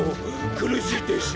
苦しいでしょ？